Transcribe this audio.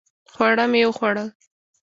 خواړه مې وخوړل